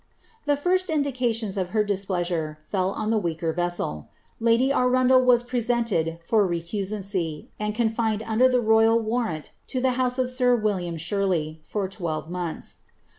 The first indications of her displeasure fell on the weaker vessel. Lady Arundel was presented for recusancy, and confined under the royal warrant to the house of sir Thomas Shirley for twelve months.'